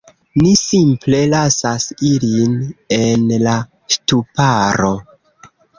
Ni simple lasas ilin en la ŝtuparo